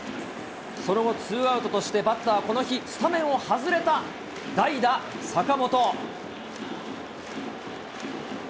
その後、ツーアウトとしてバッター、この日、スタメンを外れた代打、坂本。